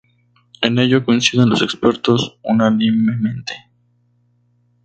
En ello coinciden los expertos unánimemente.